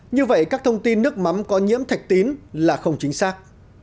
như vậy các thông tin nước mắm có nhiễm thạch tín là không chính xác